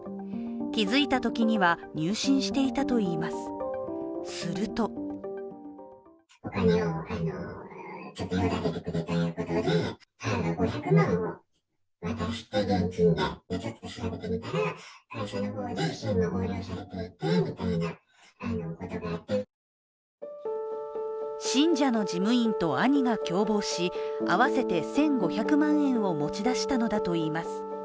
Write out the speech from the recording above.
気付いたときには入信していたといいます、すると信者の事務員と兄が共謀し合わせて１５００万円を持ち出したのだと言います